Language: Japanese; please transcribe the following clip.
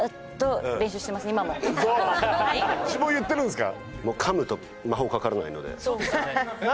呪文言ってるんですか？